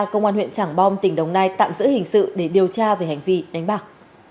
công an huyện trảng bom tỉnh đồng nai tạm giữ hình sự để điều tra về hành vi đánh bạc